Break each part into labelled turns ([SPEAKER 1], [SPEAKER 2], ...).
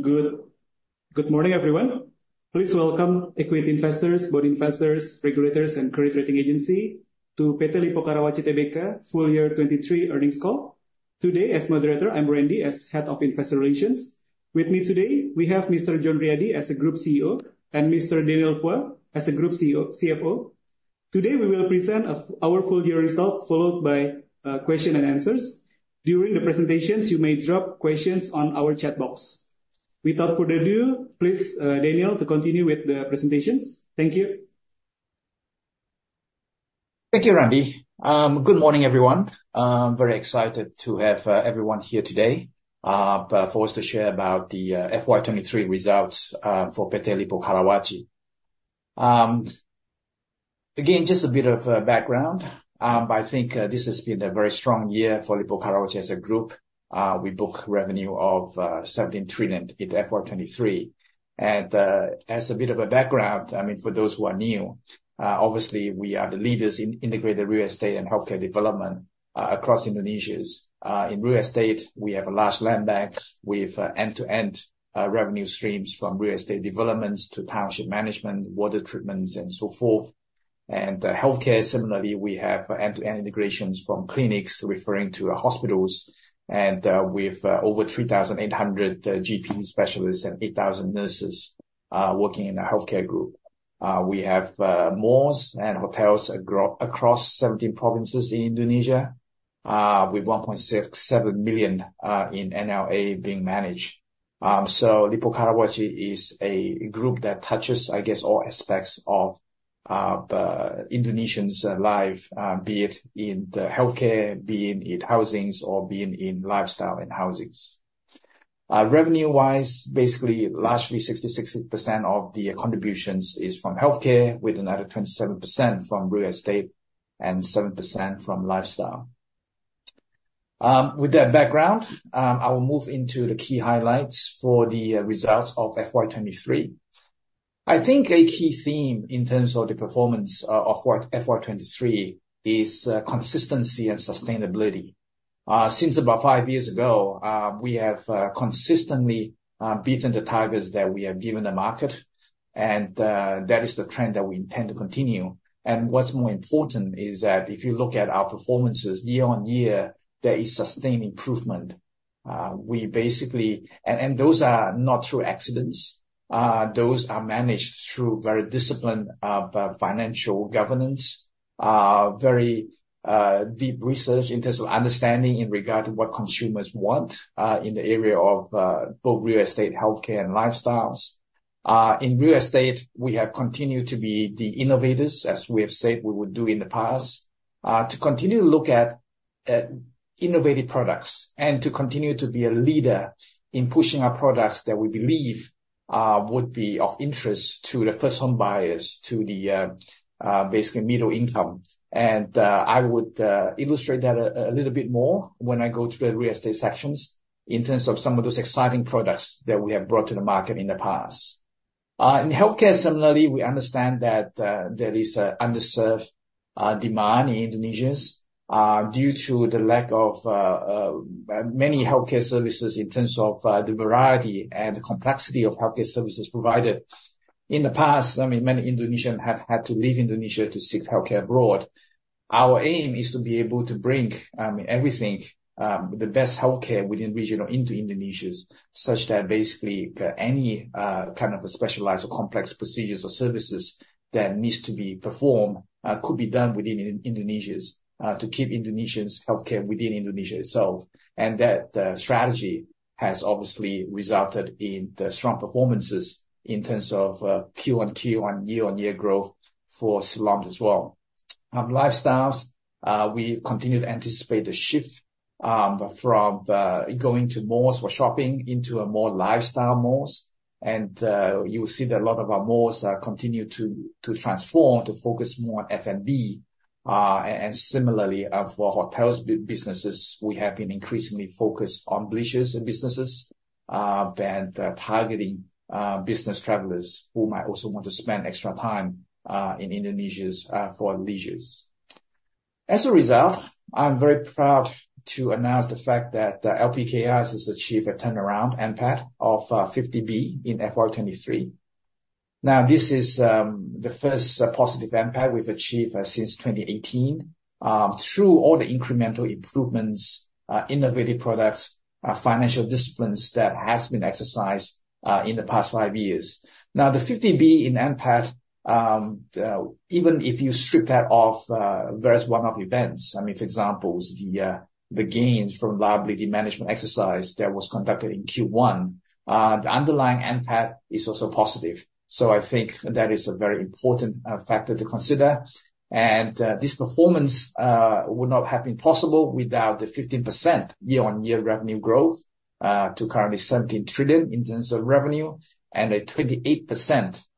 [SPEAKER 1] Good, good morning, everyone. Please welcome equity investors, bond investors, regulators, and credit rating agency to PT Lippo Karawaci Tbk full year 2023 earnings call. Today, as moderator, I'm Randy, as Head of Investor Relations. With me today, we have Mr. John Riady as the Group CEO, and Mr. Daniel Phua as the Group CFO. Today, we will present, our full year results, followed by, question and answers. During the presentations, you may drop questions on our chat box. Without further ado, please, Daniel, to continue with the presentations. Thank you.
[SPEAKER 2] Thank you, Randy. Good morning, everyone. I'm very excited to have everyone here today, for us to share about the FY 2023 results, for PT Lippo Karawaci. Again, just a bit of background, I think, this has been a very strong year for Lippo Karawaci as a group. We booked revenue of 17 trillion in FY 2023. As a bit of a background, I mean, for those who are new, obviously, we are the leaders in integrated real estate and healthcare development, across Indonesia. In real estate, we have a large land bank with end-to-end revenue streams, from real estate developments to township management, water treatments, and so forth. Healthcare, similarly, we have end-to-end integrations from clinics referring to hospitals, and we have over 3,800 GP specialists and 8,000 nurses working in the healthcare group. We have malls and hotels across 17 provinces in Indonesia, with 1.67 million in NLA being managed. So Lippo Karawaci is a group that touches, I guess, all aspects of the Indonesians' life, be it in the healthcare, be it in housings, or be it in lifestyle and housings. Revenue-wise, basically, largely 66% of the contributions is from healthcare, with another 27% from real estate, and 7% from lifestyle. With that background, I will move into the key highlights for the results of FY 2023. I think a key theme in terms of the performance of FY 2023 is consistency and sustainability. Since about five years ago, we have consistently beaten the targets that we have given the market, and that is the trend that we intend to continue. What's more important is that if you look at our performances year-over-year, there is sustained improvement. We basically... Those are not through accidents; those are managed through very disciplined financial governance, very deep research in terms of understanding in regard to what consumers want in the area of both real estate, healthcare, and lifestyles. In real estate, we have continued to be the innovators, as we have said we would do in the past, to continue to look at innovative products, and to continue to be a leader in pushing our products that we believe would be of interest to the first home buyers, to the basically middle income. And I would illustrate that a little bit more when I go to the real estate sections in terms of some of those exciting products that we have brought to the market in the past. In healthcare, similarly, we understand that there is an underserved demand in Indonesia due to the lack of many healthcare services in terms of the variety and complexity of healthcare services provided. In the past, I mean, many Indonesians have had to leave Indonesia to seek healthcare abroad. Our aim is to be able to bring, everything, the best healthcare within regional into Indonesia, such that basically, any, kind of a specialized or complex procedures or services that needs to be performed, could be done within Indonesia, to keep Indonesians' healthcare within Indonesia itself. And that, strategy has obviously resulted in the strong performances in terms of, quarter-on-quarter and year-on-year growth for Siloam as well. Lifestyles, we continue to anticipate a shift, from, going to malls for shopping into a more lifestyle malls. And, you will see that a lot of our malls continue to transform, to focus more on F&B. And similarly, for hotel businesses, we have been increasingly focused on leisure and business, that are targeting business travelers who might also want to spend extra time, in Indonesia, for leisure. As a result, I'm very proud to announce the fact that the LPKR has achieved a turnaround NPAT of 50 billion in FY 2023. Now, this is the first positive NPAT we've achieved, since 2018, through all the incremental improvements, innovative products, financial disciplines that has been exercised, in the past five years. Now, the 50 billion in NPAT, even if you strip that off, various one-off events, I mean, for example, the gains from liability management exercise that was conducted in Q1, the underlying NPAT is also positive. So I think that is a very important factor to consider. This performance would not have been possible without the 15% year-on-year revenue growth to currently 17 trillion in terms of revenue, and a 28%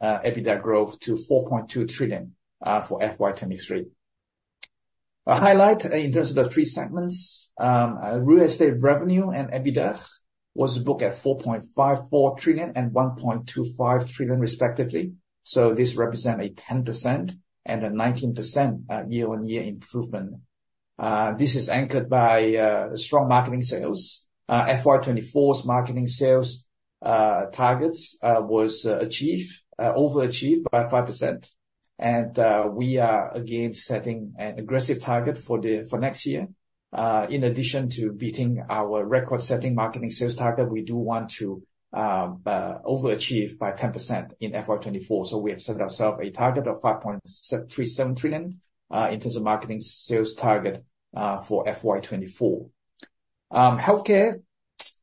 [SPEAKER 2] EBITDA growth to 4.2 trillion for FY 2023. A highlight in terms of the three segments real estate revenue and EBITDA was booked at 4.54 trillion and 1.25 trillion, respectively. This represents a 10% and a 19% year-on-year improvement. This is anchored by strong marketing sales. FY 2024's marketing sales targets was overachieved by 5%. We are again setting an aggressive target for next year. In addition to beating our record-setting marketing sales target, we do want to overachieve by 10% in FY 2024. So we have set ourselves a target of 5.37 trillion in terms of marketing sales target for FY 2024. Healthcare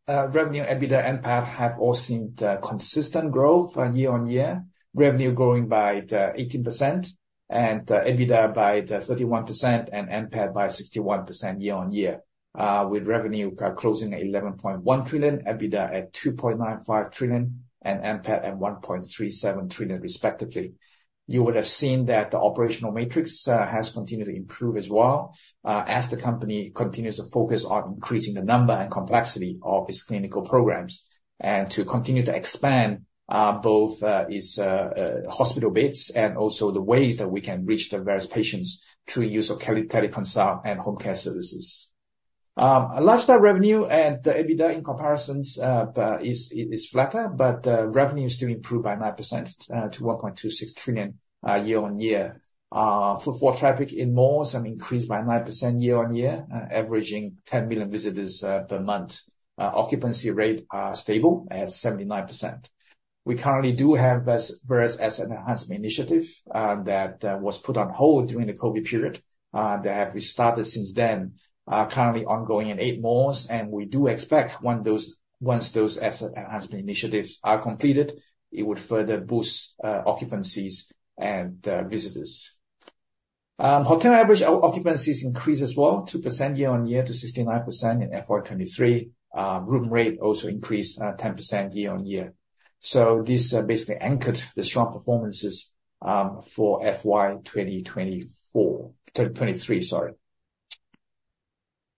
[SPEAKER 2] revenue, EBITDA, NPAT, have all seen the consistent growth year-on-year. Revenue growing by 18%, and EBITDA by 31%, and NPAT by 61% year-on-year. With revenue closing at 11.1 trillion, EBITDA at 2.95 trillion, and NPAT at 1.37 trillion, respectively. You would have seen that the operational metrics has continued to improve as well as the company continues to focus on increasing the number and complexity of its clinical programs. To continue to expand both its hospital beds and also the ways that we can reach the various patients through use of teleconsult and home care services. Lifestyle revenue and the EBITDA in comparisons, but it is flatter, but revenue is still improved by 9% to 1.26 trillion year-on-year. Footfall traffic in malls have increased by 9% year-on-year, averaging 10 million visitors per month. Occupancy rate are stable at 79%. We currently do have various asset enhancement initiative that was put on hold during the COVID period that have restarted since then. Currently ongoing in 8 malls, and we do expect once those asset enhancement initiatives are completed, it would further boost occupancies and visitors. Hotel average occupancy has increased as well, 2% year-on-year to 69% in FY 2023. Room rate also increased, 10% year-on-year. So this basically anchored the strong performances for FY 2024, 2023, sorry.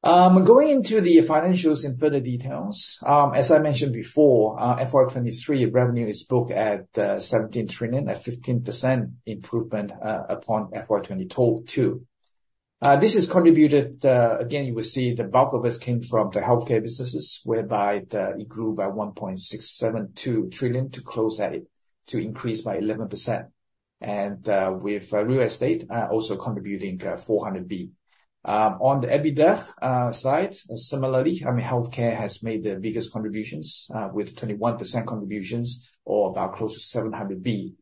[SPEAKER 2] Going into the financials in further details. As I mentioned before, FY 2023 revenue is booked at 17 trillion, at 15% improvement upon FY 2022, too. This has contributed, again, you will see the bulk of this came from the healthcare businesses, whereby the... It grew by 1.672 trillion to close at, to increase by 11%. And with real estate also contributing 400 B. On the EBITDA side, similarly, I mean, healthcare has made the biggest contributions with 21% contributions, or about close to 700 B.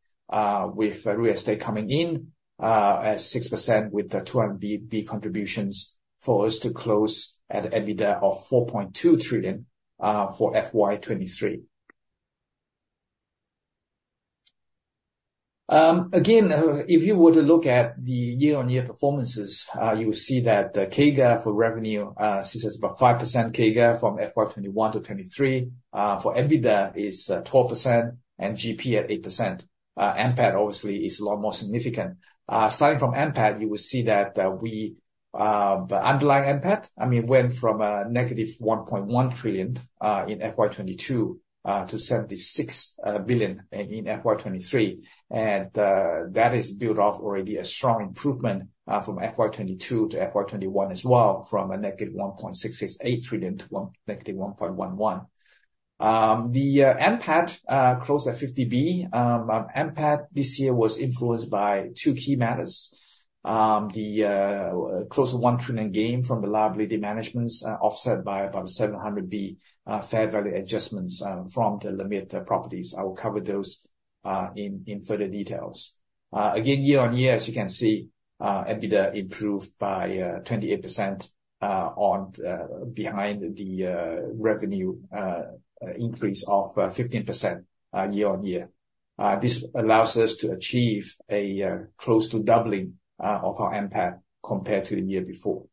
[SPEAKER 2] With real estate coming in at 6%, with the 200 billion contributions for us to close at EBITDA of 4.2 trillion for FY 2023. Again, if you were to look at the year-on-year performances, you will see that the CAGR for revenue, this is about 5% CAGR from FY 2021 to 2023. For EBITDA is 12% and GP at 8%. NPAT obviously is a lot more significant. Starting from NPAT, you will see that we, the underlying NPAT, I mean, went from negative 1.1 trillion in FY 2022 to 76 billion in FY 2023. That is built off already a strong improvement from FY 2022 to FY 2021 as well, from a negative 1.668 trillion to negative 1.11 trillion. The NPAT closed at 50 billion. NPAT this year was influenced by two key matters. The close to 1 trillion gain from the liability managements offset by about 700 billion fair value adjustments from the LMIR properties. I will cover those in further details. Again, year-on-year, as you can see, EBITDA improved by 28% on behind the revenue increase of 15% year-on-year. This allows us to achieve a close to doubling of our NPAT compared to the year before.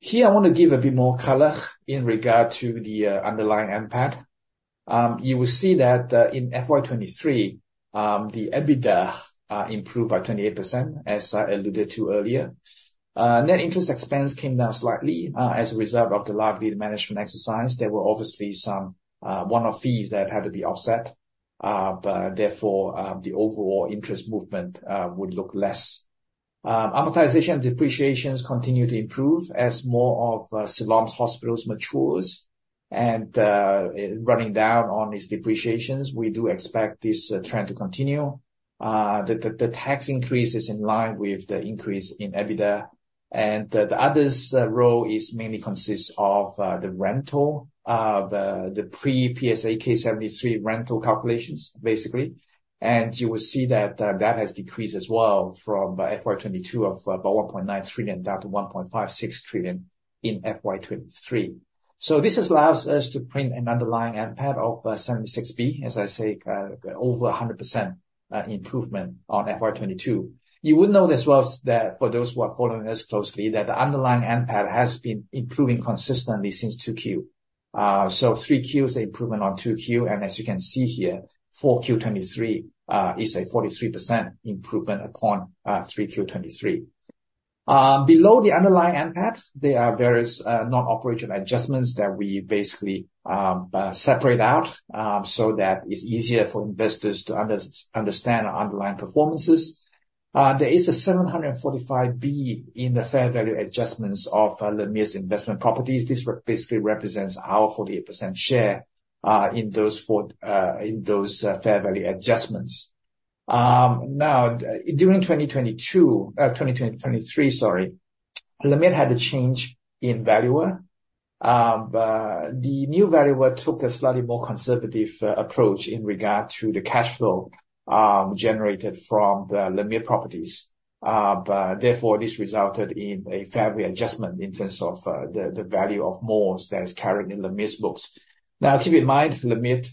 [SPEAKER 2] Here, I want to give a bit more color in regard to the underlying NPAT. You will see that in FY 2023 the EBITDA improved by 28%, as I alluded to earlier. Net interest expense came down slightly as a result of the liability management exercise. There were obviously some one-off fees that had to be offset, but therefore the overall interest movement would look less. Amortization and depreciations continue to improve as more of Siloam Hospitals matures and running down on its depreciations. We do expect this trend to continue. The tax increase is in line with the increase in EBITDA, and the others row mainly consists of the rental the pre-PSAK 73 rental calculations, basically. You will see that, that has decreased as well from FY 2022 of about 1.9 trillion, down to 1.56 trillion in FY 2023. So this allows us to print an underlying NPAT of, 76 B, as I say, over 100%, improvement on FY 2022. You would know as well that for those who are following this closely, that the underlying NPAT has been improving consistently since 2Q. So 3Q is improvement on 2Q, and as you can see here, 4Q 2023, is a 43% improvement upon, 3Q 2023. Below the underlying NPAT, there are various, non-operational adjustments that we basically, separate out, so that it's easier for investors to understand underlying performances. There is 745 billion in the fair value adjustments of the LMIR's investment properties. This basically represents our 48% share in those fair value adjustments. Now, during 2022, 2023, sorry, LMIR had a change in valuer. The new valuer took a slightly more conservative approach in regard to the cash flow generated from the LMIR properties. But therefore, this resulted in a fair value adjustment in terms of the value of malls that is carried in LMIR's books. Now, keep in mind, LMIR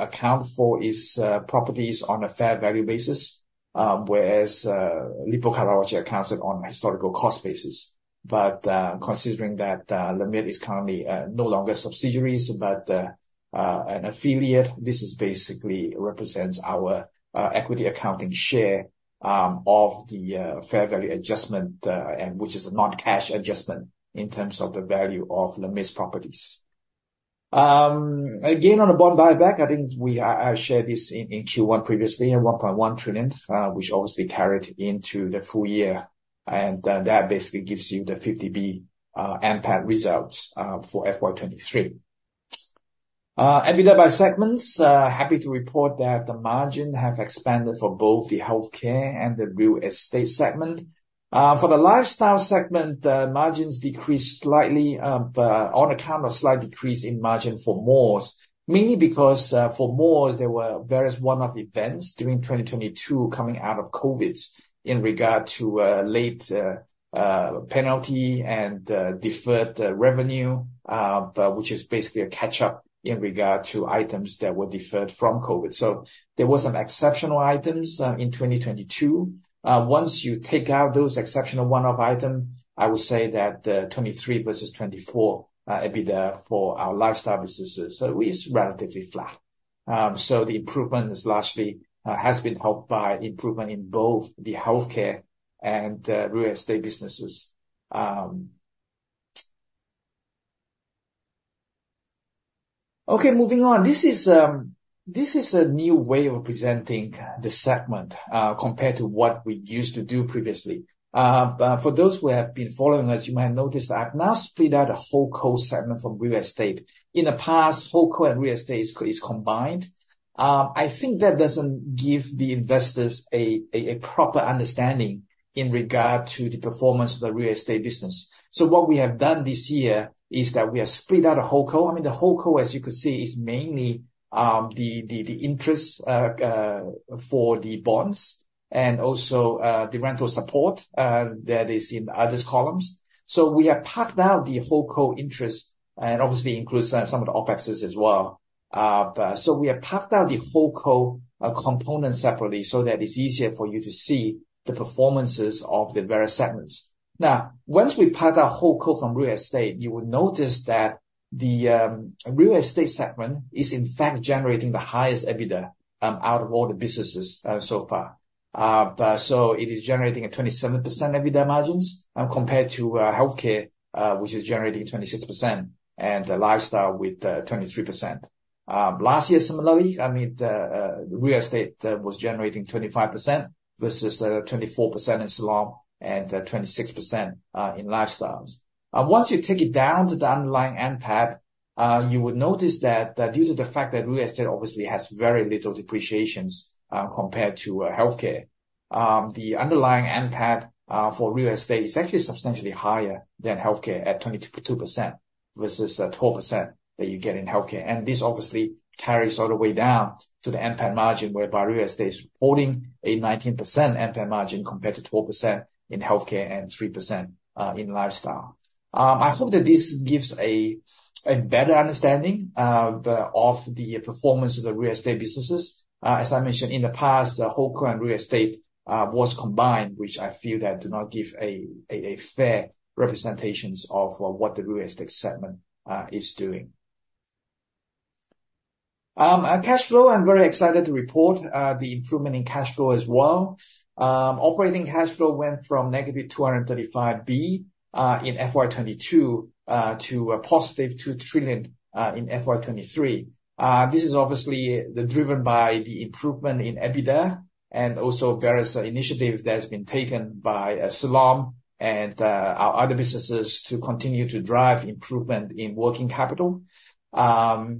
[SPEAKER 2] account for its properties on a fair value basis, whereas Lippo Karawaci accounts it on a historical cost basis. Considering that LMIR is currently no longer subsidiaries, but an affiliate, this is basically represents our equity accounting share of the fair value adjustment, and which is a non-cash adjustment in terms of the value of LMIR's properties. Again, on the bond buyback, I think I shared this in Q1 previously, 1.1 trillion, which obviously carried into the full year, and that basically gives you the 50 billion NPAT results for FY 2023. EBITDA by segments, happy to report that the margin have expanded for both the healthcare and the real estate segment. For the lifestyle segment, the margins decreased slightly, on account of a slight decrease in margin for malls. Mainly because, for malls, there were various one-off events during 2022 coming out of COVID in regard to, late penalty and, deferred revenue, but which is basically a catch-up in regard to items that were deferred from COVID. So there were some exceptional items, in 2022. Once you take out those exceptional one-off item, I would say that, 2023 versus 2024, EBITDA for our lifestyle businesses, is relatively flat. So the improvement is largely, has been helped by improvement in both the healthcare and, real estate businesses. Okay, moving on. This is, this is a new way of presenting the segment, compared to what we used to do previously. But for those who have been following us, you might have noticed I've now split out a holdco segment from real estate. In the past, holdco and real estate is combined. I think that doesn't give the investors a proper understanding in regard to the performance of the real estate business. So what we have done this year is that we have split out a holdco. I mean, the holdco, as you can see, is mainly the interest for the bonds and also the rental support that is in the others columns. So we have parked out the holdco interest and obviously includes some of the OpExes as well. But so we have parked out the holdco component separately, so that it's easier for you to see the performances of the various segments. Now, once we park out holdco from real estate, you will notice that the real estate segment is in fact generating the highest EBITDA out of all the businesses so far. But so it is generating a 27% EBITDA margins compared to healthcare, which is generating 26%, and the lifestyle with 23%. Last year, similarly, I mean, the real estate was generating 25% versus 24% in Siloam and 26% in lifestyles. Once you take it down to the underlying NPAT, you would notice that due to the fact that real estate obviously has very little depreciation compared to healthcare, the underlying NPAT for real estate is actually substantially higher than healthcare, at 22% versus 12% that you get in healthcare. This obviously carries all the way down to the NPAT margin, whereby real estate is holding a 19% NPAT margin compared to 12% in healthcare and 3%, in lifestyle. I hope that this gives a better understanding of the performance of the real estate businesses. As I mentioned, in the past, the holdco and real estate was combined, which I feel that do not give a fair representations of what the real estate segment is doing. Cash flow, I'm very excited to report, the improvement in cash flow as well. Operating cash flow went from -235 billion in FY 2022 to a positive 2 trillion in FY 2023. This is obviously driven by the improvement in EBITDA and also various initiatives that has been taken by Siloam and our other businesses to continue to drive improvement in working capital. The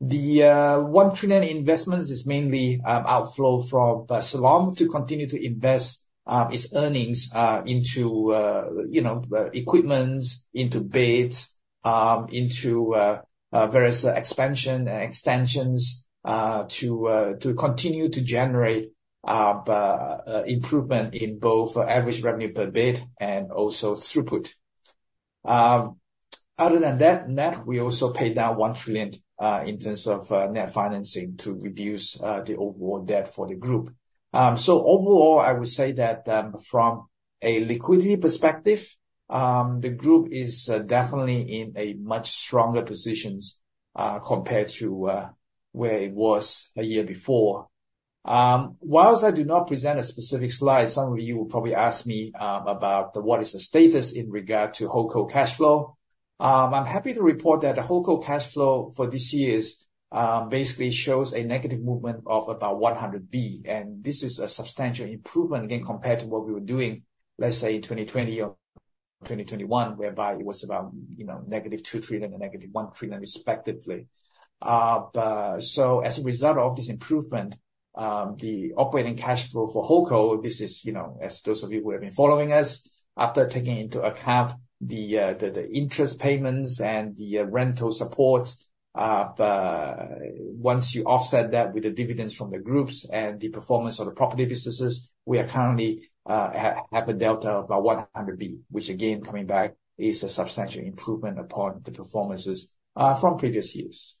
[SPEAKER 2] one trillion investments is mainly outflow from Siloam to continue to invest its earnings into you know equipments, into beds, into various expansion and extensions to continue to generate improvement in both average revenue per bed and also throughput. Other than that, net, we also paid down one trillion in terms of net financing to reduce the overall debt for the group. So overall, I would say that from a liquidity perspective the group is definitely in a much stronger positions compared to where it was a year before. Whilst I do not present a specific slide, some of you will probably ask me about what is the status in regard to whole co cash flow. I'm happy to report that the Holdco cash flow for this year basically shows a negative movement of about 100 billion, and this is a substantial improvement, again, compared to what we were doing, let's say, in 2020 or 2021, whereby it was about, you know, negative 2 trillion and negative 1 trillion respectively. But so as a result of this improvement, the operating cash flow for Holdco, this is, you know, as those of you who have been following us, after taking into account the interest payments and the rental support. But once you offset that with the dividends from the groups and the performance of the property businesses, we currently have a delta of about 100 billion, which again, coming back, is a substantial improvement upon the performances from previous years.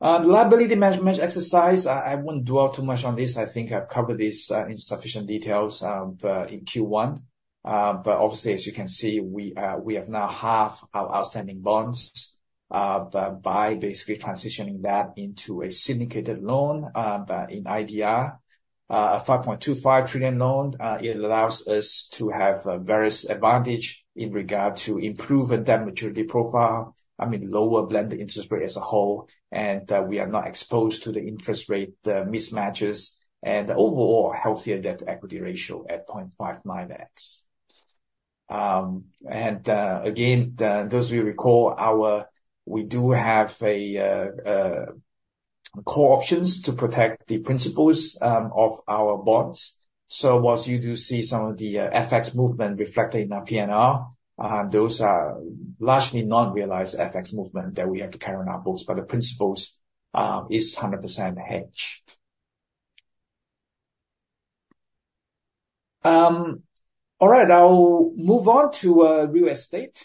[SPEAKER 2] The liability management exercise, I wouldn't dwell too much on this. I think I've covered this in sufficient details in Q1. But obviously, as you can see, we have now half our outstanding bonds, but by basically transitioning that into a syndicated loan, but in IDR, a 5.25 trillion IDR loan. It allows us to have various advantage in regard to improve the debt maturity profile. I mean, lower blend interest rate as a whole, and we are not exposed to the interest rate mismatches, and overall healthier debt equity ratio at 0.59x. And again, those we recall, we do have core options to protect the principal of our bonds. So while you do see some of the FX movement reflected in our P&L, those are largely not realized FX movement that we have to carry on our books, but the principal is 100% hedged. All right, I'll move on to real estate.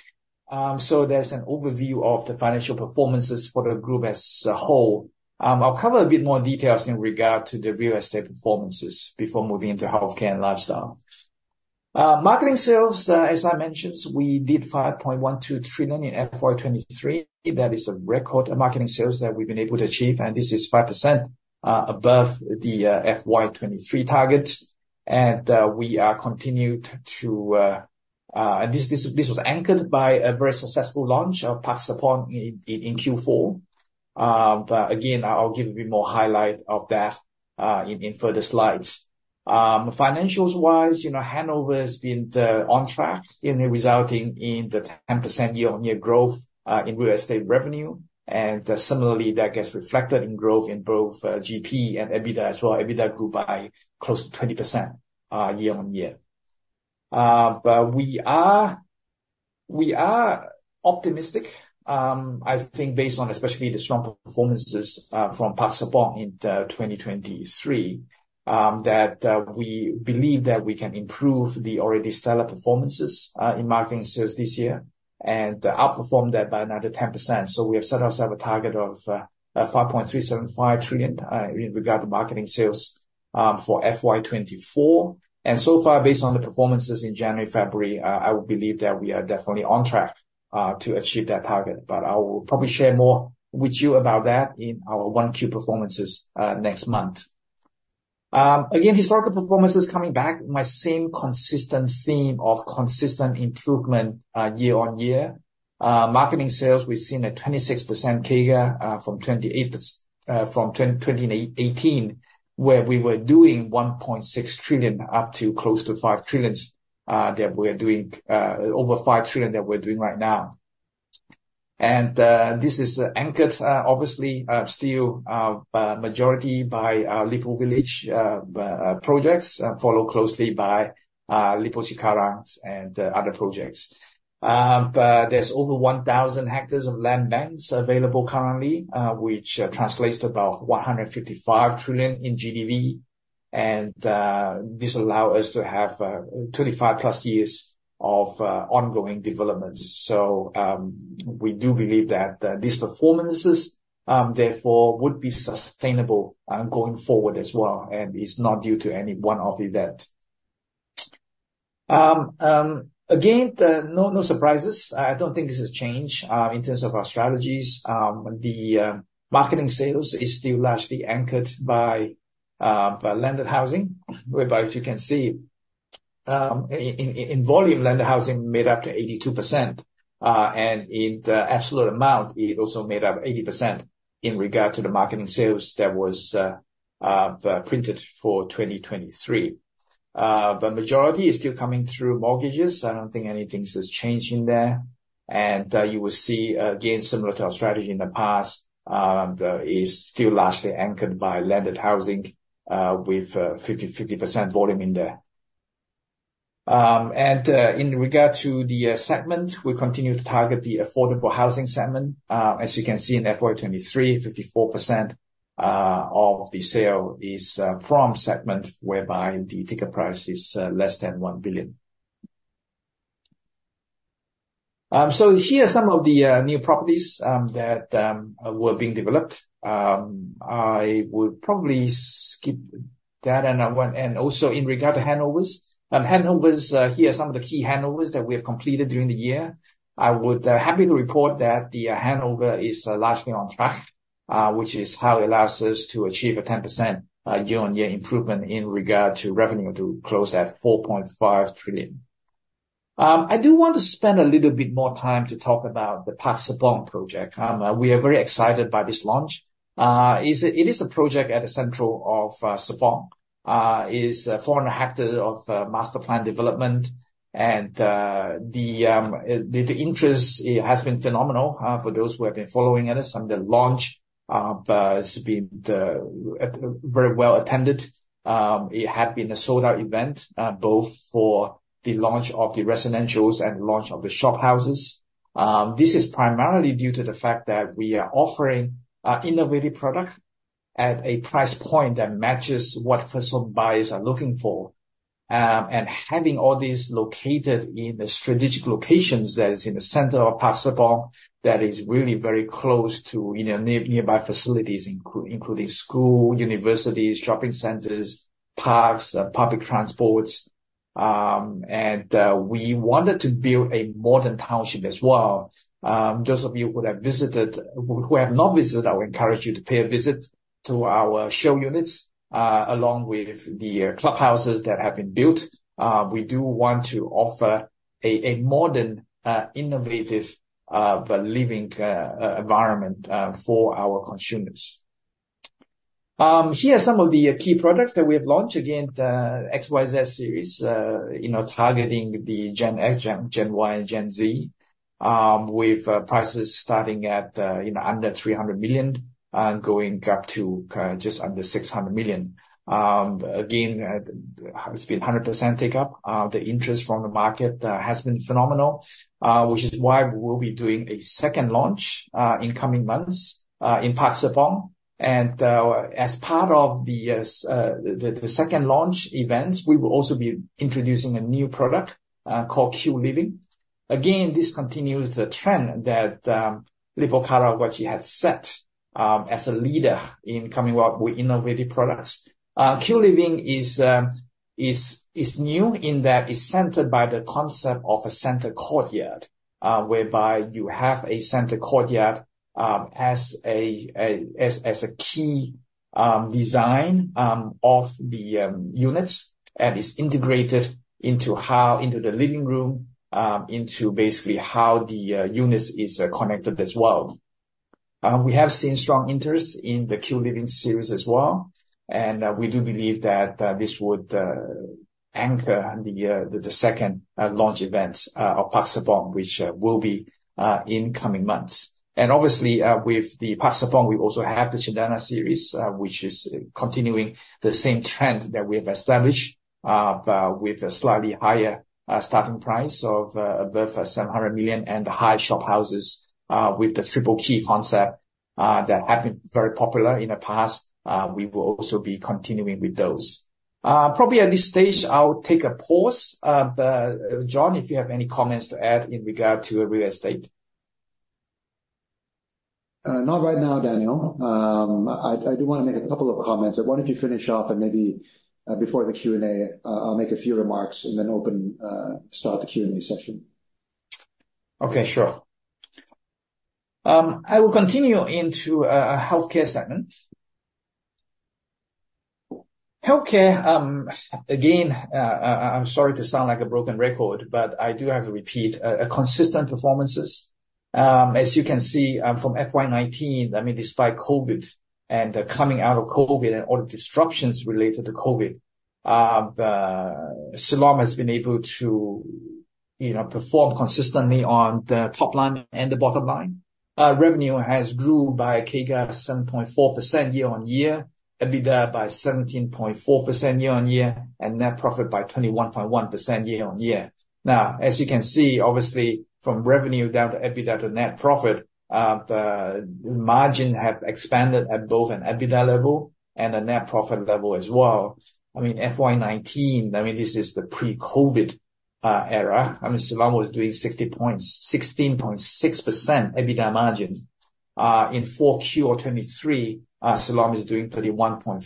[SPEAKER 2] So there's an overview of the financial performances for the group as a whole. I'll cover a bit more details in regard to the real estate performances before moving into healthcare and lifestyle. Marketing sales, as I mentioned, we did 5.12 trillion in FY 2023. That is a record of marketing sales that we've been able to achieve, and this is 5% above the FY 2023 target. And this was anchored by a very successful launch of Park Serpong in Q4. But again, I'll give a bit more highlight of that in further slides. Financials-wise, you know, handover has been on track, resulting in the 10% year-on-year growth in real estate revenue. And similarly, that gets reflected in growth in both GP and EBITDA as well. EBITDA grew by close to 20% year-on-year. But we are optimistic. I think based on especially the strong performances from Park Serpong in 2023, that we believe that we can improve the already stellar performances in marketing sales this year and outperform that by another 10%. So we have set ourselves a target of 5.375 trillion in regard to marketing sales for FY 2024. And so far, based on the performances in January, February, I would believe that we are definitely on track to achieve that target. But I will probably share more with you about that in our Q1 performances next month. Again, historical performances coming back, my same consistent theme of consistent improvement year-on-year. Marketing sales, we've seen a 26% CAGR from 2018, where we were doing 1.6 trillion up to close to 5 trillion that we're doing over 5 trillion right now. This is anchored, obviously, still majority by Lippo Village projects, followed closely by Lippo Cikarang and other projects. But there's over 1,000 hectares of land banks available currently, which translates to about 155 trillion in GDV. And this allow us to have 25+ years of ongoing developments. So, we do believe that these performances therefore would be sustainable going forward as well, and it's not due to any one-off event. Again, the... No, no surprises. I don't think this has changed in terms of our strategies. The marketing sales is still largely anchored by landed housing, whereby if you can see in volume, landed housing made up to 82%. And in the absolute amount, it also made up 80% in regard to the marketing sales that was printed for 2023. But majority is still coming through mortgages. I don't think anything has changed in there. And you will see, again, similar to our strategy in the past, that is still largely anchored by landed housing, with 50/50% volume in there. And in regard to the segment, we continue to target the affordable housing segment. As you can see in FY 2023, 54% of the sale is from segment whereby the ticket price is less than 1 billion. So here are some of the new properties that were being developed. I would probably skip that and also in regard to handovers. Handovers, here are some of the key handovers that we have completed during the year. I would happy to report that the handover is largely on track, which is how it allows us to achieve a 10% year-on-year improvement in regard to revenue, to close at 4.5 trillion. I do want to spend a little bit more time to talk about the Park Serpong project. We are very excited by this launch. It is a project at the center of Serpong. It is 4.5 hectares of master plan development, and the interest has been phenomenal for those who have been following us. The launch has been very well attended. It had been a sold-out event both for the launch of the residentials and launch of the shophouses. This is primarily due to the fact that we are offering innovative product at a price point that matches what first-time buyers are looking for. And having all these located in the strategic locations, that is in the center of Park Serpong, that is really very close to, you know, nearby facilities, including school, universities, shopping centers, parks, public transports. We wanted to build a modern township as well. Those of you who have not visited, I would encourage you to pay a visit to our show units, along with the clubhouses that have been built. We do want to offer a modern, innovative, living environment for our consumers. Here are some of the key products that we have launched. Again, the XYZ series, you know, targeting the Gen X, Gen Y, and Gen Z. With prices starting at, you know, under 300 million, going up to just under 600 million. Again, it's been 100% take up. The interest from the market has been phenomenal, which is why we'll be doing a second launch in coming months in Park Serpong. And as part of the second launch events, we will also be introducing a new product called Q Livin. Again, this continues the trend that Lippo Karawaci has set as a leader in coming up with innovative products. Q Livin is new in that it's centered by the concept of a center courtyard, whereby you have a center courtyard as a key design of the units. And it's integrated into how into the living room into basically how the units is connected as well. We have seen strong interest in the Q Livin series as well, and we do believe that this would anchor the second launch event of Park Serpong, which will be in coming months. And obviously, with the Park Serpong, we also have the Cendana series, which is continuing the same trend that we have established with a slightly higher starting price of above 700 million, and the Hive shophouses with the triple key concept that have been very popular in the past. We will also be continuing with those. Probably at this stage, I'll take a pause. But John, if you have any comments to add in regard to real estate?
[SPEAKER 3] Not right now, Daniel. I do wanna make a couple of comments. Why don't you finish up, and maybe before the Q&A, I'll make a few remarks and then open start the Q&A session.
[SPEAKER 2] Okay, sure. I will continue into a healthcare segment. Healthcare, again, I'm sorry to sound like a broken record, but I do have to repeat a consistent performances. As you can see, from FY 2019, I mean, despite COVID and the coming out of COVID and all the disruptions related to COVID, Siloam has been able to, you know, perform consistently on the top line and the bottom line. Revenue has grew by CAGR 7.4% year-on-year, EBITDA by 17.4% year-on-year, and net profit by 21.1% year-on-year. Now, as you can see, obviously, from revenue down to EBITDA to net profit, the margin have expanded at both an EBITDA level and a net profit level as well. I mean, FY 2019, I mean, this is the pre-COVID era. I mean, Siloam was doing sixty point sixteen point six percent EBITDA margin. In 4Q of 2023, Siloam is doing 31.4%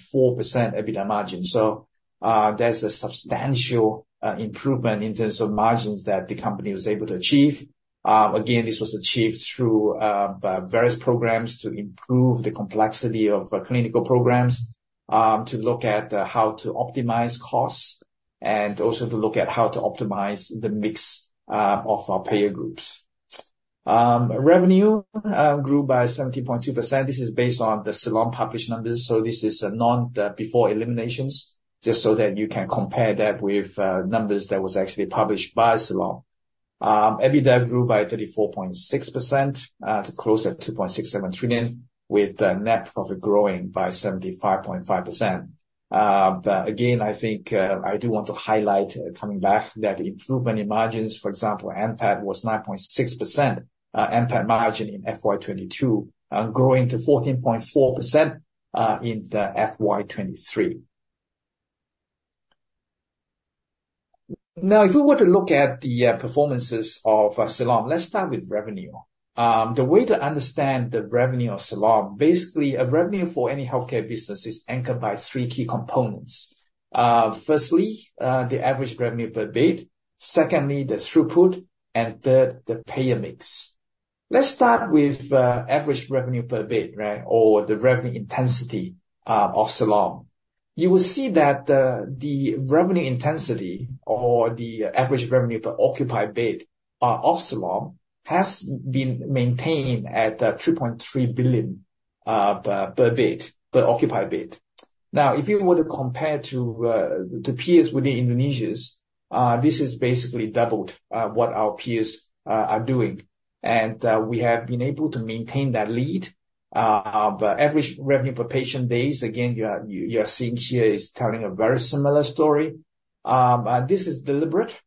[SPEAKER 2] EBITDA margin. So, there's a substantial improvement in terms of margins that the company was able to achieve. Again, this was achieved through various programs to improve the complexity of clinical programs, to look at how to optimize costs, and also to look at how to optimize the mix of our payer groups. Revenue grew by 70.2%. This is based on the Siloam published numbers, so this is a non before eliminations, just so that you can compare that with numbers that was actually published by Siloam. EBITDA grew by 34.6%, to close at 2.67 trillion, with the net profit growing by 75.5%. But again, I think, I do want to highlight, coming back, that improvement in margins, for example, NPAT, was 9.6%, NPAT margin in FY 2022, growing to 14.4% in the FY 2023. Now, if we were to look at the performances of Siloam, let's start with revenue. The way to understand the revenue of Siloam, basically, a revenue for any healthcare business is anchored by three key components. Firstly, the average revenue per bed. Secondly, the throughput. And third, the payer mix. Let's start with average revenue per bed, right, or the revenue intensity of Siloam. You will see that the revenue intensity or the average revenue per occupied bed of Siloam has been maintained at 3.3 billion per bed, per occupied bed. Now, if you were to compare to peers within Indonesia's, this is basically doubled what our peers are doing. We have been able to maintain that lead. Our average revenue per patient days, again, you are seeing here, is telling a very similar story. But this is deliberate.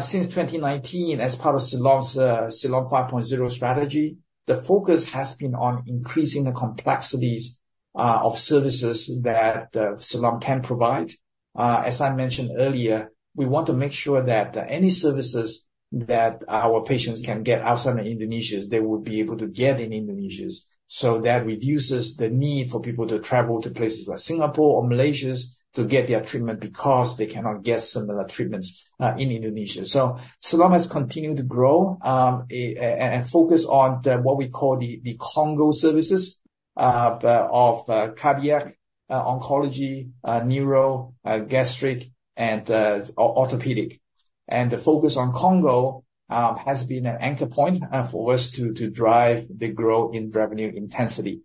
[SPEAKER 2] Since 2019, as part of Siloam's Siloam 5.0 strategy, the focus has been on increasing the complexities of services that Siloam can provide. As I mentioned earlier, we want to make sure that any services that our patients can get outside of Indonesia's, they will be able to get in Indonesia's. So that reduces the need for people to travel to places like Singapore or Malaysia's to get their treatment, because they cannot get similar treatments, in Indonesia. So Siloam has continued to grow, and focus on the, what we call the, the CONGO services, the, of, cardiac, oncology, neuro, gastric, and, orthopedic. And the focus on CONGO, has been an anchor point, for us to, to drive the growth in revenue intensity.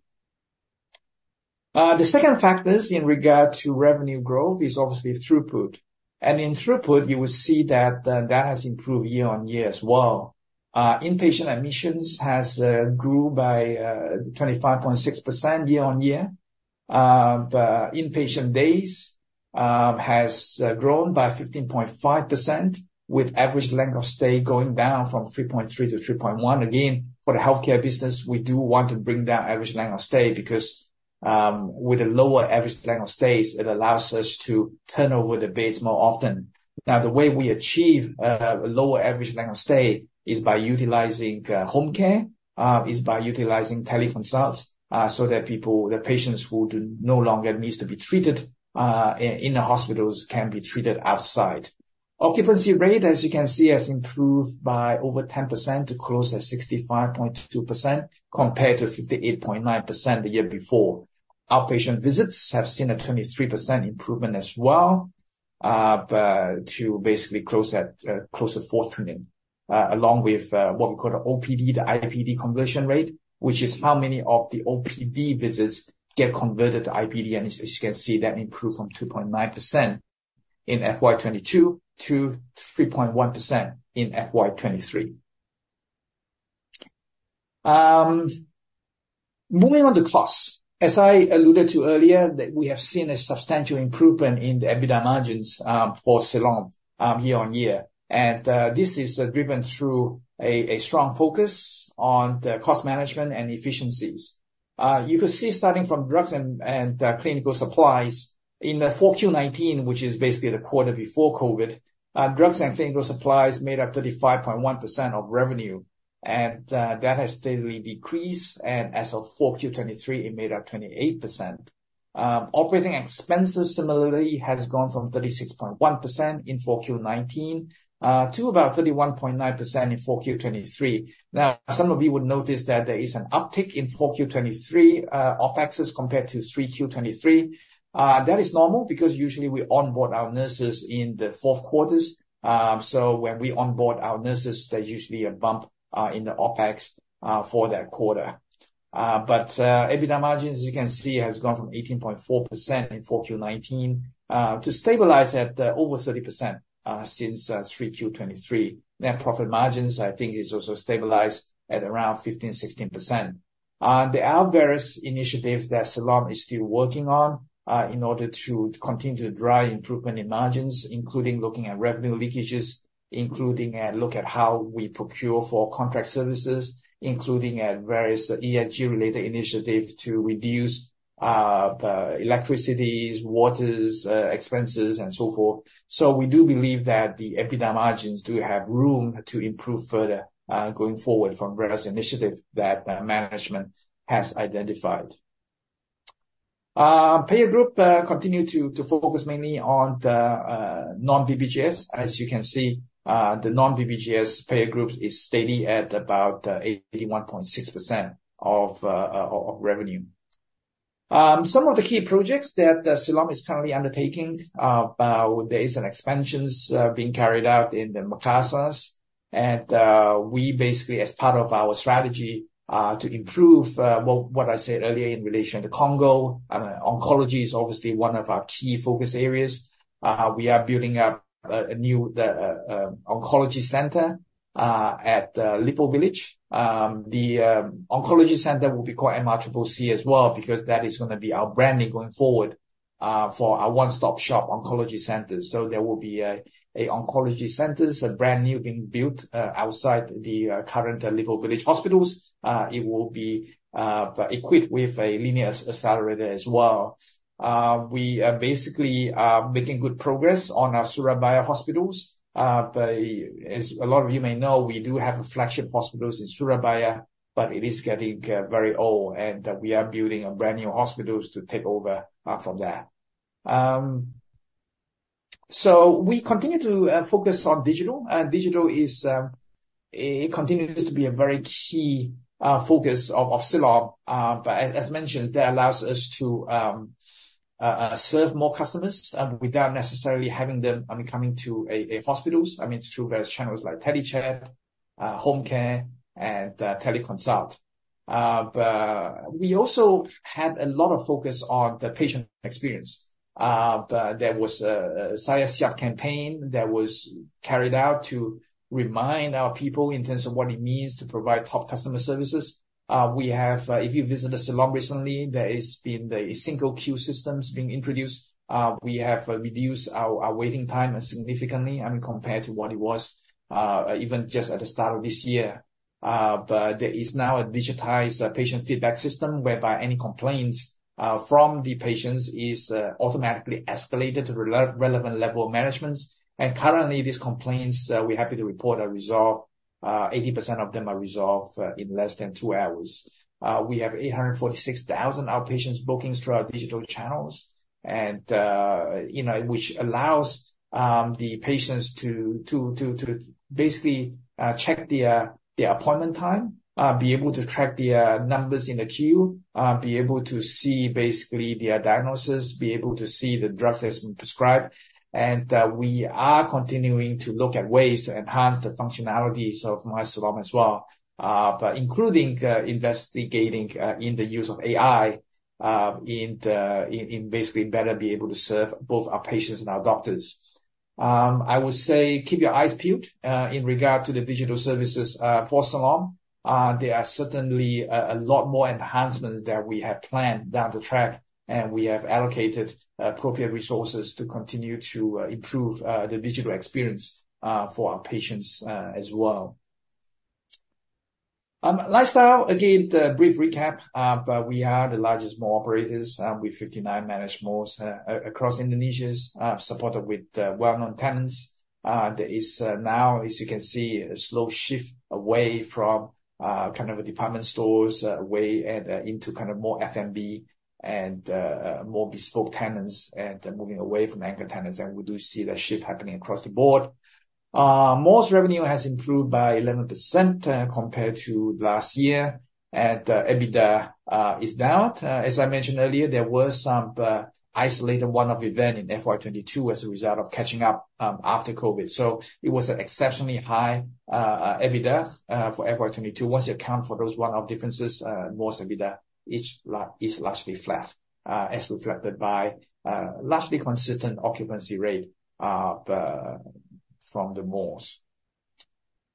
[SPEAKER 2] The second factors in regard to revenue growth is obviously throughput. And in throughput, you will see that, that has improved year-on-year as well. Inpatient admissions has grew by 25.6% year-on-year. The inpatient days has grown by 15.5%, with average length of stay going down from 3.3 to 3.1. Again, for the healthcare business, we do want to bring down average length of stay, because, with a lower average length of stays, it allows us to turn over the beds more often. Now, the way we achieve a lower average length of stay is by utilizing home care is by utilizing teleconsults, so that people, the patients who do no longer needs to be treated in the hospitals, can be treated outside. Occupancy rate, as you can see, has improved by over 10% to close at 65.2%, compared to 58.9% the year before. Outpatient visits have seen a 23% improvement as well, but to basically close at close to 4 trillion. Along with what we call the OPD, the IPD conversion rate, which is how many of the OPD visits get converted to IPD. And as you can see, that improved from 2.9% in FY 2022 to 3.1% in FY 2023. Moving on to costs. As I alluded to earlier, that we have seen a substantial improvement in the EBITDA margins for Siloam year on year. And this is driven through a strong focus on the cost management and efficiencies. You can see, starting from drugs and clinical supplies, in the 4Q19, which is basically the quarter before COVID, drugs and clinical supplies made up 35.1% of revenue, and that has steadily decreased, and as of 4Q23, it made up 28%. Operating expenses similarly has gone from 36.1% in 4Q19 to about 31.9% in 4Q23. Now, some of you would notice that there is an uptick in 4Q23 OpEx compared to 3Q23. That is normal, because usually we onboard our nurses in the fourth quarters. So when we onboard our nurses, there's usually a bump in the OpEx for that quarter. But EBITDA margins, you can see, has gone from 18.4% in 4Q 2019 to stabilize at over 30% since 3Q 2023. Net profit margins, I think, is also stabilized at around 15-16%. There are various initiatives that Siloam is still working on in order to continue to drive improvement in margins, including looking at revenue leakages, including a look at how we procure for contract services, including at various ESG-related initiatives to reduce the electricity, water expenses, and so forth. So we do believe that the EBITDA margins do have room to improve further going forward from various initiatives that management has identified. Payer group continue to focus mainly on the non-BPJS. As you can see, the non-BPJS payer groups is steady at about 81.6% of revenue. Some of the key projects that Siloam is currently undertaking, there is an expansions being carried out in the Makassar. And we basically, as part of our strategy, to improve what I said earlier in relation to CONGO, oncology is obviously one of our key focus areas. We are building up a new oncology center at Lippo Village. The oncology center will be called MRCCC as well, because that is gonna be our branding going forward for our one-stop-shop oncology center. So there will be a oncology centers, a brand new being built outside the current Lippo Village Hospital. It will be equipped with a linear accelerator as well. We are basically making good progress on our Surabaya hospitals. But as a lot of you may know, we do have a flagship hospitals in Surabaya, but it is getting very old, and we are building a brand-new hospitals to take over from there. So we continue to focus on digital. Digital is, it continues to be a very key focus of Siloam. But as mentioned, that allows us to serve more customers without necessarily having them only coming to a hospitals. I mean, through various channels like telechat, home care, and teleconsult. But we also had a lot of focus on the patient experience. But there was a Saya Siap campaign that was carried out to remind our people in terms of what it means to provide top customer services. We have, if you visited Siloam recently, there has been the single queue systems being introduced. We have reduced our waiting time significantly, I mean, compared to what it was, even just at the start of this year. But there is now a digitized patient feedback system, whereby any complaints from the patients is automatically escalated to the relevant level of managements. And currently, these complaints, we're happy to report, are resolved, 80% of them are resolved in less than two hours. We have 846,000 outpatients bookings through our digital channels, and, you know, which allows the patients to basically check their appointment time. Be able to track their numbers in the queue, be able to see basically their diagnosis, be able to see the drugs that's been prescribed. And, we are continuing to look at ways to enhance the functionalities of MySiloam as well, but including investigating in the use of AI in basically better be able to serve both our patients and our doctors. I would say, keep your eyes peeled in regard to the digital services for Siloam. There are certainly a lot more enhancements that we have planned down the track, and we have allocated appropriate resources to continue to improve the digital experience for our patients as well. Lifestyle, again, the brief recap, but we are the largest mall operators with 59 managed malls across Indonesia supported with well-known tenants. There is now, as you can see, a slow shift away from kind of a department stores, away and into kind of more F&B and more bespoke tenants, and moving away from anchor tenants. And we do see that shift happening across the board. Malls revenue has improved by 11% compared to last year, and EBITDA is down. As I mentioned earlier, there were some isolated one-off event in FY 2022 as a result of catching up after COVID. So it was an exceptionally high EBITDA for FY 2022. Once you account for those one-off differences, mall EBITDA is largely flat as reflected by largely consistent occupancy rate from the malls.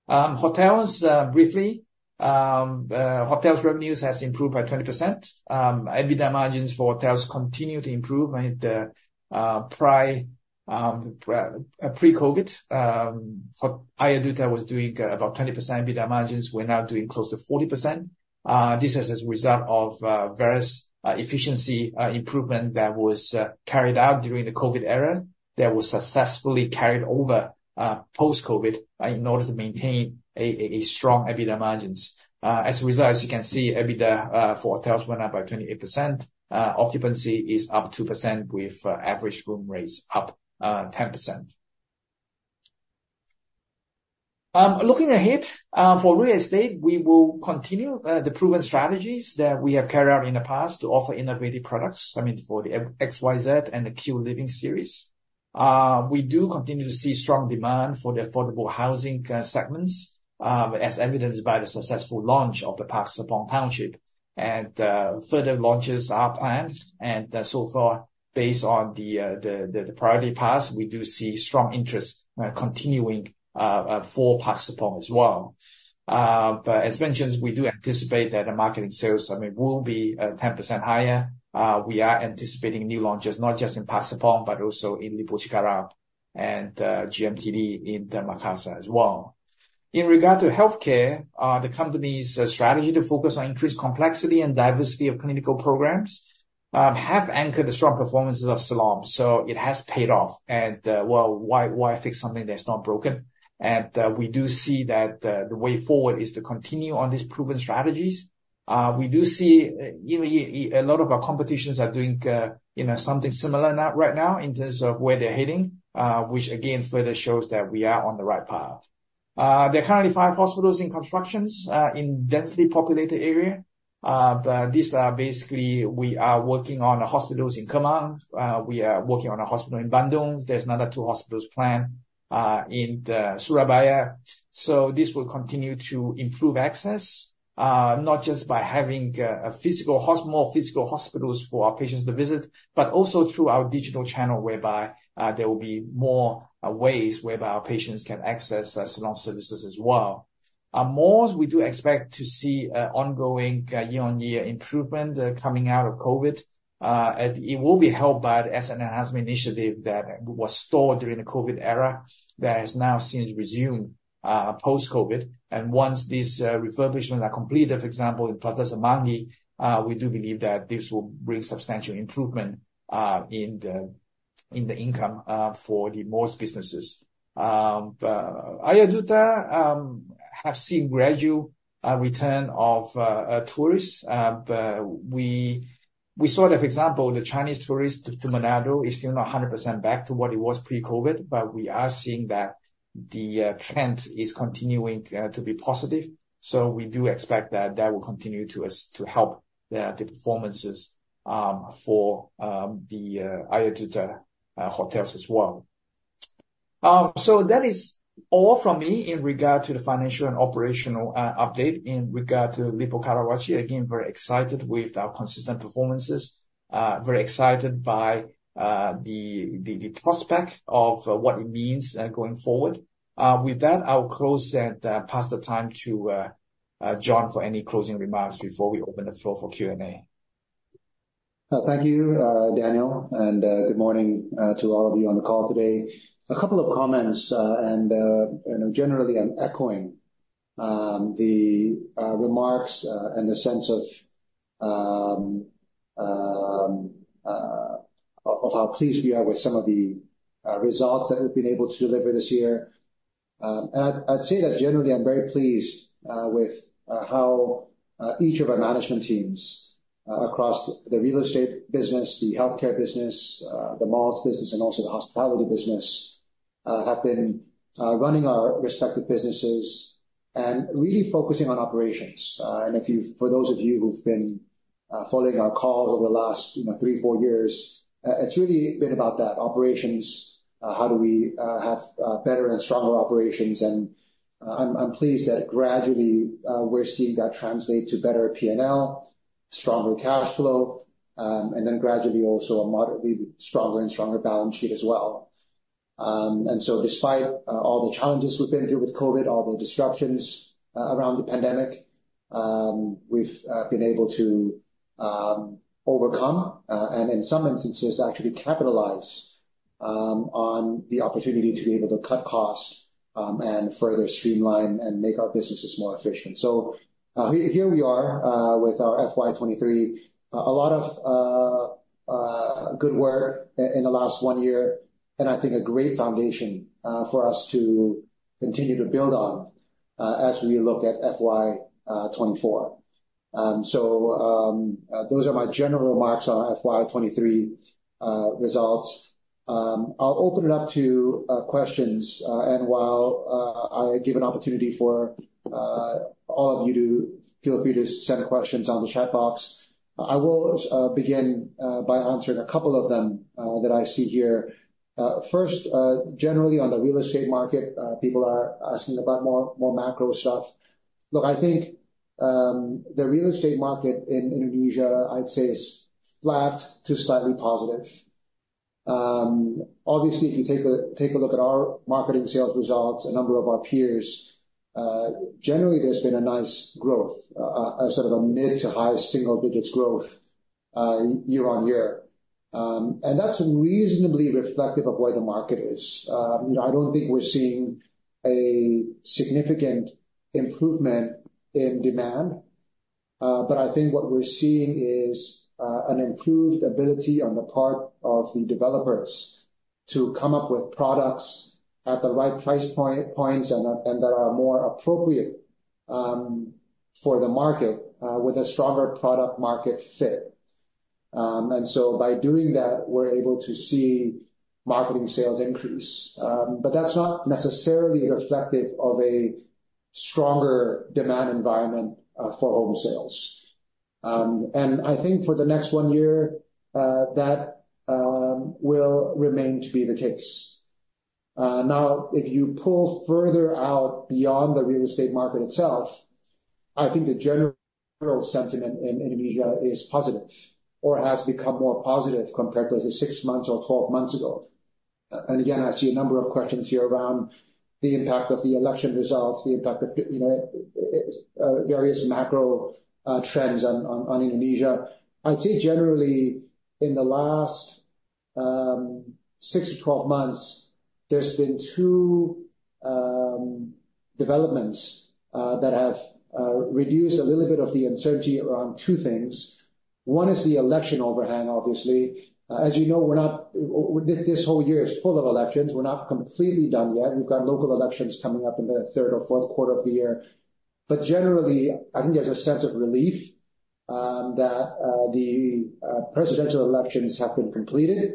[SPEAKER 2] Hotels, briefly. Hotels revenues has improved by 20%. EBITDA margins for hotels continue to improve in the pre-COVID. For Aryaduta was doing about 20% EBITDA margins, we're now doing close to 40%. This is as a result of various efficiency improvement that was carried out during the COVID era, that was successfully carried over post-COVID, in order to maintain a strong EBITDA margins. As a result, as you can see, EBITDA for hotels went up by 28%. Occupancy is up 2%, with average room rates up 10%. Looking ahead, for real estate, we will continue the proven strategies that we have carried out in the past to offer innovative products, I mean, for the XYZ and the Q Livin series. We do continue to see strong demand for the affordable housing segments, as evidenced by the successful launch of the Park Serpong Township. Further launches are planned, and so far, based on the Park Serpong, we do see strong interest continuing for Park Serpong as well. But as mentioned, we do anticipate that the marketing sales, I mean, will be 10% higher. We are anticipating new launches, not just in Park Serpong, but also in Lippo Cikarang and GMTD, in the Makassar as well. In regard to healthcare, the company's strategy to focus on increased complexity and diversity of clinical programs have anchored the strong performances of Siloam, so it has paid off. And, well, why fix something that's not broken? And, we do see that the way forward is to continue on these proven strategies. We do see, you know, a lot of our competitors are doing, you know, something similar now, right now, in terms of where they're heading. Which again, further shows that we are on the right path. There are currently five hospitals under construction in densely populated area. But these are basically, we are working on our hospitals in Cempaka Putih. We are working on a hospital in Bandung. There's another two hospitals planned in Surabaya. So this will continue to improve access, not just by having more physical hospitals for our patients to visit, but also through our digital channel, whereby there will be more ways whereby our patients can access our Siloam services as well. Malls, we do expect to see ongoing year-on-year improvement coming out of COVID. It will be helped by the asset enhancement initiative that was stalled during the COVID era, that has now since resumed post-COVID. And once these refurbishments are completed, for example, in Plaza Semanggi, we do believe that this will bring substantial improvement in the income for the malls businesses. Aryaduta have seen gradual return of tourists. But we saw that, for example, the Chinese tourists to Manado is still not 100% back to what it was pre-COVID, but we are seeing that the trend is continuing to be positive. So we do expect that that will continue to help the performances for the Aryaduta hotels as well. So that is all from me in regard to the financial and operational update in regard to Lippo Karawaci. Again, very excited with our consistent performances. Very excited by the prospect of what it means going forward. With that, I'll close and pass the time to John for any closing remarks before we open the floor for Q&A.
[SPEAKER 3] Thank you, Daniel, and good morning to all of you on the call today. A couple of comments, and generally, I'm echoing the remarks and the sense of how pleased we are with some of the results that we've been able to deliver this year. And I'd say that generally, I'm very pleased with how each of our management teams across the real estate business, the healthcare business, the malls business, and also the hospitality business have been running our respective businesses and really focusing on operations. And if you—for those of you who've been following our call over the last, you know, three, four years, it's really been about that, operations, how do we have better and stronger operations? And, I'm pleased that gradually, we're seeing that translate to better PNL, stronger cash flow, and then gradually also a moderately stronger and stronger balance sheet as well. And so despite all the challenges we've been through with COVID, all the disruptions around the pandemic, we've been able to overcome, and in some instances, actually capitalize on the opportunity to be able to cut costs, and further streamline and make our businesses more efficient. So, here we are with our FY 2023. A lot of good work in the last one year, and I think a great foundation for us to continue to build on as we look at FY 2024. So those are my general remarks on our FY 2023 results. I'll open it up to questions and while I give an opportunity for all of you to feel free to send questions on the chat box, I will begin by answering a couple of them that I see here. First, generally on the real estate market, people are asking about more macro stuff. Look, I think the real estate market in Indonesia, I'd say, is flat to slightly positive. Obviously, if you take a look at our marketing sales results, a number of our peers, generally, there's been a nice growth, sort of a mid- to high-single-digits growth, year-on-year. And that's reasonably reflective of where the market is. You know, I don't think we're seeing a significant improvement in demand, but I think what we're seeing is an improved ability on the part of the developers to come up with products at the right price points, and that are more appropriate for the market with a stronger product-market fit. So by doing that, we're able to see marketing sales increase. But that's not necessarily reflective of a stronger demand environment for home sales. I think for the next 1 year, that will remain to be the case. Now, if you pull further out beyond the real estate market itself, I think the general sentiment in Indonesia is positive, or has become more positive compared to 6 months or 12 months ago. Again, I see a number of questions here around the impact of the election results, the impact of, you know, various macro trends on Indonesia. I'd say generally, in the last 6-12 months, there's been 2 developments that have reduced a little bit of the uncertainty around 2 things. One is the election overhang, obviously. As you know, we're not. This whole year is full of elections. We're not completely done yet. We've got local elections coming up in the third or fourth quarter of the year. But generally, I think there's a sense of relief that the presidential elections have been completed, and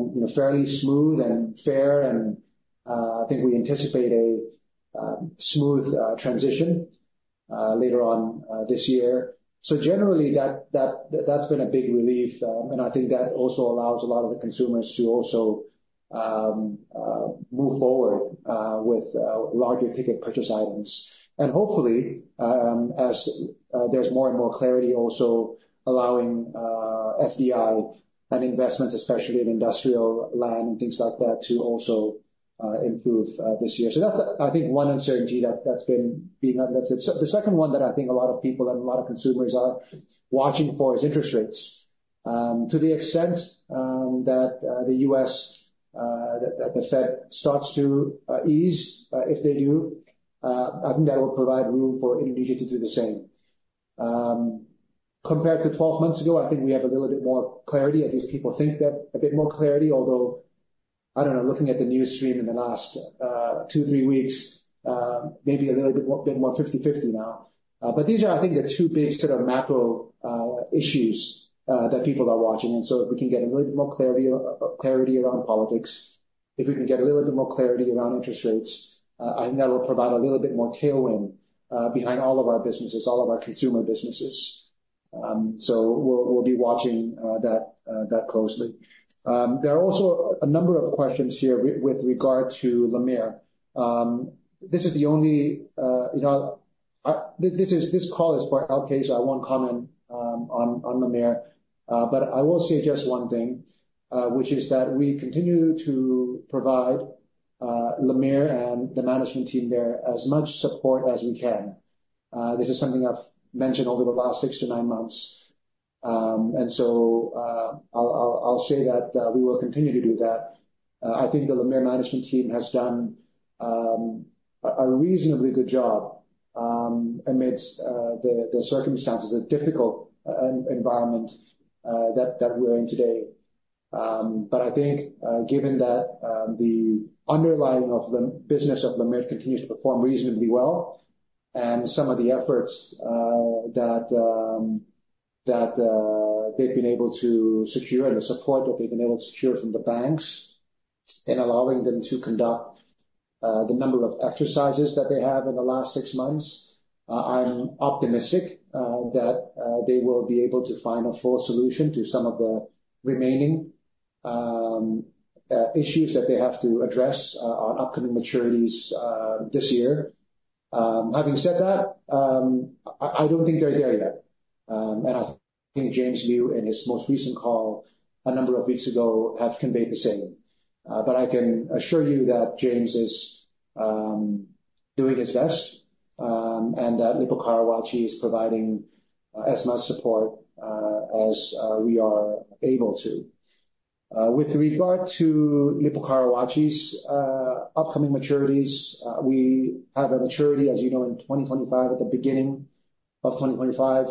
[SPEAKER 3] you know, fairly smooth and fair, and I think we anticipate a smooth transition later on this year. So generally, that's been a big relief, and I think that also allows a lot of the consumers to also move forward with larger ticket purchase items. And hopefully, as there's more and more clarity, also allowing FDI and investments, especially in industrial land and things like that, to also improve this year. So that's, I think, one uncertainty that's been uplifted. So the second one that I think a lot of people and a lot of consumers are watching for is interest rates. To the extent that the US that the Fed starts to ease, if they do, I think that will provide room for Indonesia to do the same. Compared to 12 months ago, I think we have a little bit more clarity, at least people think they have a bit more clarity, although I don't know, looking at the news stream in the last 2, 3 weeks, maybe a little bit more 50/50 now. But these are, I think, the two big sort of macro issues that people are watching. If we can get a little bit more clarity around politics, if we can get a little bit more clarity around interest rates, I think that will provide a little bit more tailwind behind all of our businesses, all of our consumer businesses. So we'll be watching that closely. There are also a number of questions here with regard to LMIR. This is the only, you know, this call is for LK, so I won't comment on LMIR. But I will say just one thing, which is that we continue to provide LMIR and the management team there as much support as we can. This is something I've mentioned over the last six to nine months. And so, I'll say that we will continue to do that. I think the LMIR management team has done a reasonably good job amidst the circumstances, the difficult environment that we're in today. But I think, given that, the underlying of the business of LMIR continues to perform reasonably well, and some of the efforts that they've been able to secure and the support that they've been able to secure from the banks, in allowing them to conduct the number of exercises that they have in the last six months, I'm optimistic that they will be able to find a full solution to some of the remaining issues that they have to address on upcoming maturities this year. Having said that, I don't think they're there yet. I think James Liew, in his most recent call a number of weeks ago, have conveyed the same. I can assure you that James is doing his best, and that Lippo Karawaci is providing as much support as we are able to. With regard to Lippo Karawaci's upcoming maturities, we have a maturity, as you know, in 2025, at the beginning of 2025.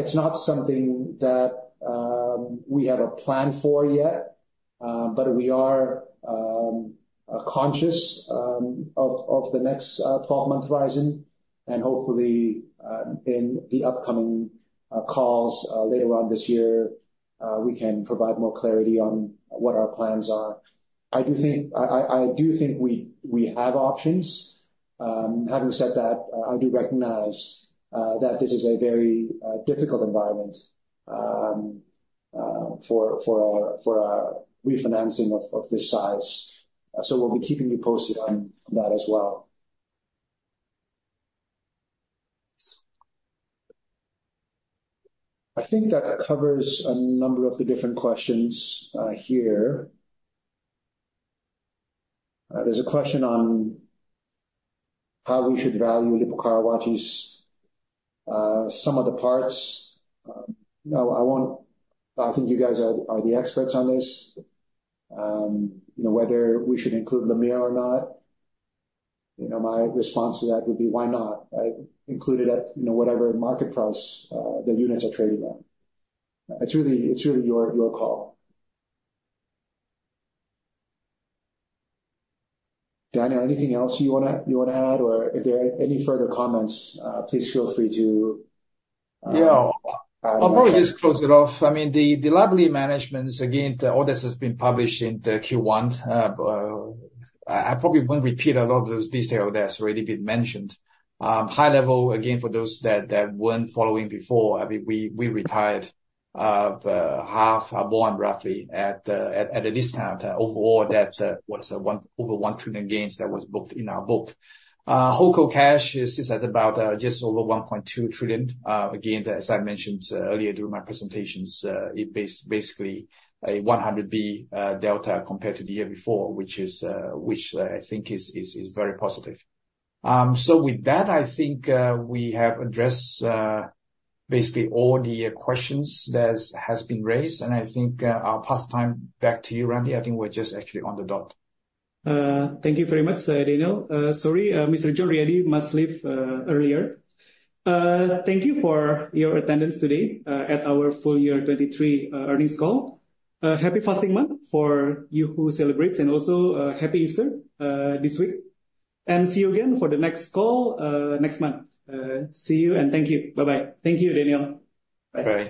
[SPEAKER 3] It's not something that we have a plan for yet, but we are conscious of the next 12-month horizon. Hopefully, in the upcoming calls later on this year, we can provide more clarity on what our plans are. I do think we have options. Having said that, I do recognize that this is a very difficult environment for a refinancing of this size. So we'll be keeping you posted on that as well. I think that covers a number of the different questions here. There's a question on how we should value Lippo Karawaci's sum of the parts. No, I won't. I think you guys are the experts on this. You know, whether we should include LMIR or not, you know, my response to that would be, "Why not?" I include it at, you know, whatever market price the units are trading at. It's really your call. Daniel, anything else you wanna add? Or if there are any further comments, please feel free to,
[SPEAKER 2] Yeah. I'll probably just close it off. I mean, the liability managements, again, all this has been published in the Q1. I probably won't repeat a lot of those details that's already been mentioned. High level, again, for those that weren't following before, I mean, we retired half or more, roughly, at a discount overall, that what is the over 1 trillion gains that was booked in our book. Whole co cash is at about just over 1.2 trillion. Again, as I mentioned earlier during my presentations, it basically a 100 billion delta, compared to the year before. Which is, which I think is very positive. So with that, I think we have addressed basically all the questions that has been raised, and I think I'll pass time back to you, Randy. I think we're just actually on the dot.
[SPEAKER 3] Thank you very much, Daniel. Sorry, Mr. John, really must leave earlier. Thank you for your attendance today at our full year 2023 earnings call. Happy Fasting Month for you who celebrates, and also Happy Easter this week. See you again for the next call next month. See you, and thank you. Bye-bye. Thank you, Daniel. Bye.